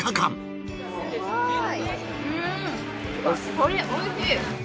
これおいしい。